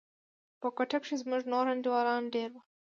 په كوټه کښې زموږ نور انډيوالان دېره وو.